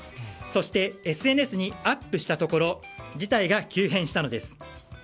そして、ＳＮＳにアップしたところ事態が急変したのです。